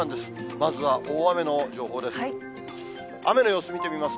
まずは大雨の情報です。